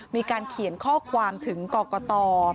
มีการเขียนข้อความถึงกรกต